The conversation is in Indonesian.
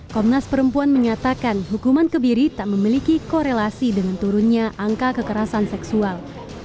komnas perempuan menyatakan hukuman kebiri tak memiliki korelasi dengan turunnya angka kekerasan seksual